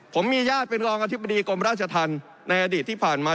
ผมมีญาติเป็นรองอธิบดีกรมราชธรรมในอดีตที่ผ่านมา